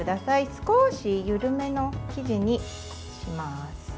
少し緩めの生地にします。